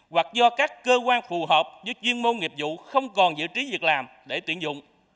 hoặc do các cơ quan phù hợp với chuyên môn nghiệp vụ không còn giữ trí việc làm để tuyển dụng